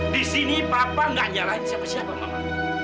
di sini bapak nggak nyalahin siapa siapa mama